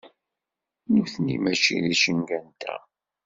Nutni mačči d icenga-nteɣ.